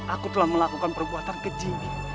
aku telah melakukan perbuatan kecil